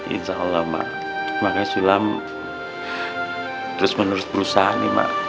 insya allah mak makanya sulam terus menerus berusaha nih mbak